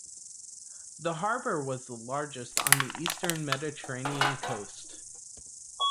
The harbor was the largest on the eastern Mediterranean coast.